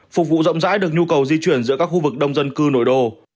phục vụ rộng rãi được nhu cầu di chuyển giữa các khu vực đông dân cư nội đô